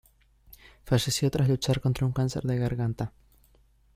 Falleció tras luchar contra un cáncer de garganta.